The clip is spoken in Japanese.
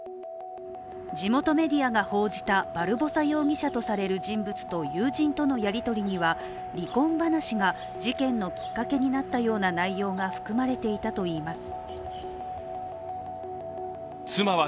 地元メディアが報じたバルボサ容疑者とみられる人物と友人とのやりとりには、離婚話が事件のきっかけになったような内容が含まれていたといいます。